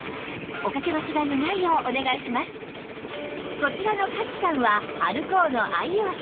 こちらの勝さんはアルコーの愛用者